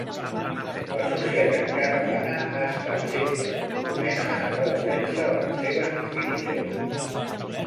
La societat catalana ha estat sempre compromesa en la defensa de les seves institucions.